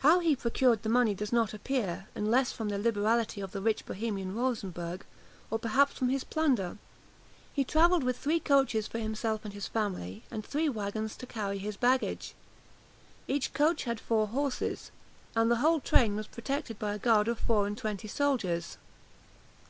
How he procured the money does not appear, unless from the liberality of the rich Bohemian Rosenberg, or perhaps from his plunder. He travelled with three coaches for himself and family, and three wagons to carry his baggage. Each coach had four horses, and the whole train was protected by a guard of four and twenty soldiers.